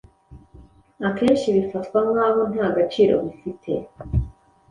akenshi bifatwa nk’aho nta gaciro bifite